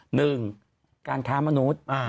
หนึ่งการค้ามนุษย์